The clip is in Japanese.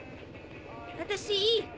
私いい。